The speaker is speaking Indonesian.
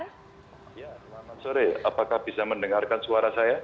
ya selamat sore apakah bisa mendengarkan suara saya